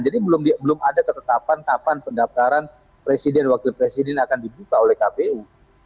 jadi belum ada ketetapan ketapan pendapatan presiden wakil presiden akan dibuka oleh kpu